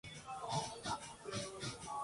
Por un caballo, se perdió una batalla